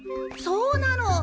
そうなの！